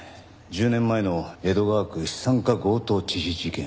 １０年前の江戸川区資産家強盗致死事件。